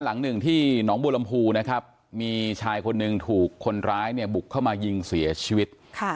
หลังหนึ่งที่หนองบัวลำพูนะครับมีชายคนหนึ่งถูกคนร้ายเนี่ยบุกเข้ามายิงเสียชีวิต